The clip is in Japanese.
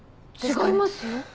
違いますよ。